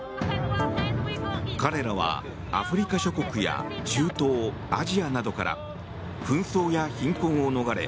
彼らはアフリカ諸国や中東アジアなどから紛争や貧困を逃れ